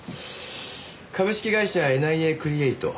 株式会社ＮＩＡクリエイト。